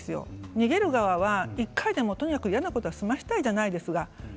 逃げる側は１回で嫌なことを済ませたいじゃないですか。